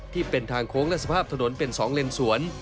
ที่เป็นทางโค้งและสภาพถนนเป็น๒เลนสวน